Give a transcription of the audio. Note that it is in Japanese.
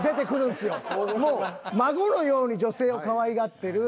もう孫のように女性をかわいがってる。